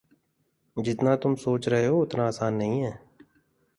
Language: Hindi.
जितना तुम सोच रहे हो उतना आसान नहीं है।